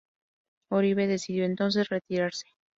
Oribe decidió entonces retirarse.